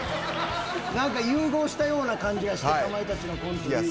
何か融合したような感じがしてかまいたちのコントと優香さんが。